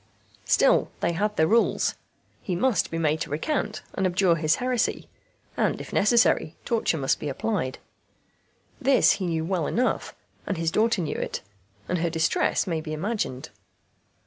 Still, they had their rules; he must be made to recant and abjure his heresy; and, if necessary, torture must be applied. This he knew well enough, and his daughter knew it, and her distress may be imagined.